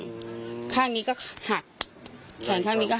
เกิดข้างข้างนี้ก็หักแขนข้างนี้ก็หัก